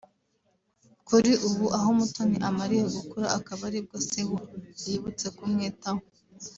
kuri ubu aho Mutoni amariye gukura akaba ari bwo Sebu yibutse kumwitaho